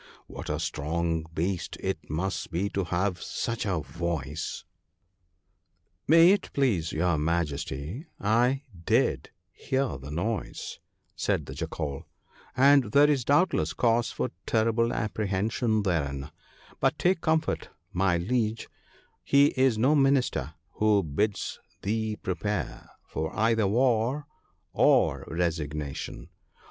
What a strong beast it must be to have such a voice !'' May it please your Majesty, I did hear the noise,' said the Jackal, * and there is doubtless cause for terrible apprehension therein ; but take comfort, my liege, he is no minister who bids thee prepare for either war or resignation.